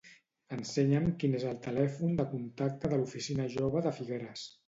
Ensenya'm quin és el telèfon de contacte de l'oficina jove de Figueres.